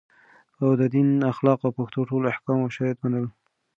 او د دین اخلاق او پښتو ټول احکام او شرایط منل